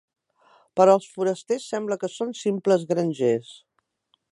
Per als forasters, sembla que són simples grangers.